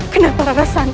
kenapa rana santai